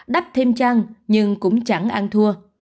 rác thêm trăng nhưng cũng chẳng ăn thua